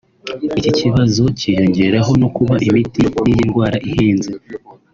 Iki kibazo cyiyongeraho no kuba imiti y’iyi ndwara ihenze